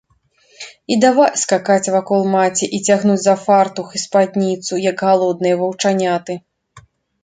І давай скакаць вакол маці і цягнуць за фартух і спадніцу, як галодныя ваўчаняты.